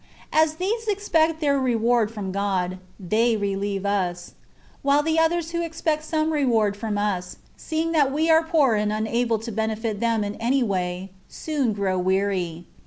As these expect their reward from God, they relieve us ; while the others who expect some reward from us, seeing that we are poor and unable to benefit them in any way, soon grow weary.